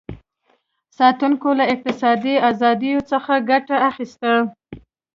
ساتونکو له اقتصادي ازادیو څخه ګټه اخیسته.